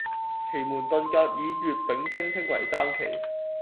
奇門遁甲以乙、丙、丁稱為三奇